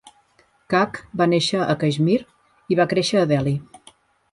Kak va néixer a Caixmir i va créixer a Delhi.